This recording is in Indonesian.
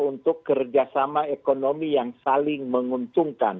untuk kerjasama ekonomi yang saling menguntungkan